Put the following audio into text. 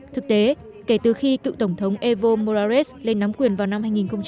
thực tế kể từ khi cựu tổng thống evo morales lên nắm quyền vào năm hai nghìn một mươi